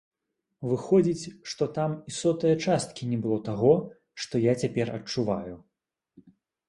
Выходзіць, што там і сотае часткі не было таго, што я цяпер адчуваю.